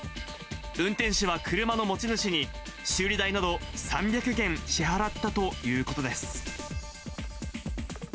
運転手は車の持ち主に、修理代など３００元支払ったということです。